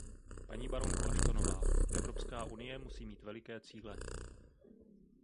Paní baronko Ashtonová, Evropská unie musí mít veliké cíle.